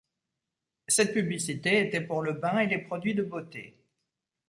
Cette publicité était pour le bain et les produits de beauté.